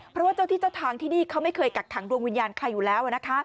เพราะว่าเจ้าที่เจ้าทางที่นี่เขาไม่เคยกักขังดวงวิญญาณใครอยู่แล้ว